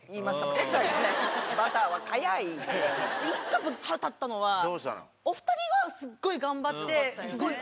１個腹立ったのはお二人はスゴい頑張ってスゴい